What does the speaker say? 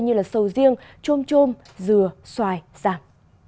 như sầu riêng chôm chôm dừa xoài giảm